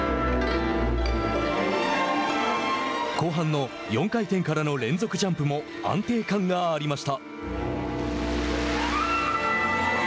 後半の４回転からの連続ジャンプも安定感がありました。